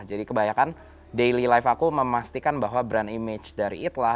jadi kebanyakan daily life aku memastikan bahwa brand image dari itlah